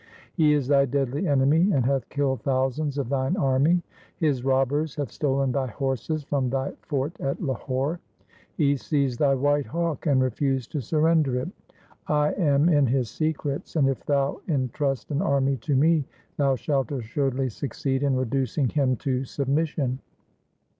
He is thy deadly enemy and hath killed thousands of thine army. His robbers have stolen thy horses from thy fort at Lahore. He seized thy white hawk and refused to surrender it. I am in his secrets, and if thou entrust an army to me, thou shalt assuredly succeed in reducing him to submission.